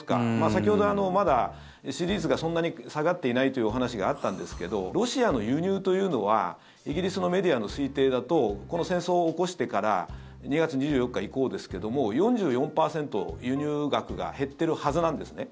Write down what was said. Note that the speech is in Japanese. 先ほど、まだ支持率がそんなに下がっていないというお話があったんですけどロシアの輸入というのはイギリスのメディアの推定だとこの戦争を起こしてから２月２４日以降ですけども４４％、輸入額が減っているはずなんですね。